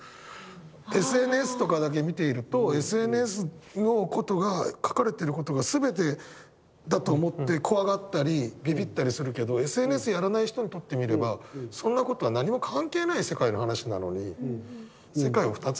ＳＮＳとかだけ見ているとＳＮＳのことが書かれてることが全てだと思って怖がったりビビったりするけどＳＮＳやらない人にとってみればそんなことは何も関係ない世界の話なのに。